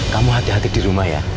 kamu hati hati di rumah ya